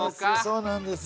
そうなんです。